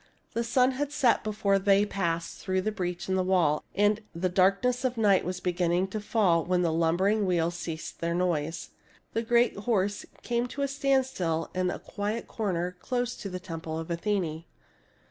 The sun had set before they passed through the breach in the wall ; and the darkness of night was beginning to fall when the lumbering v/heels ceased their noise. The great horse came to a standstill in a quiet corner close by the temple of Athene.